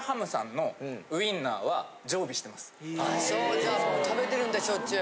じゃあ食べてるんだしょっちゅう。